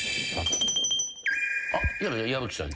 あっ矢吹さん。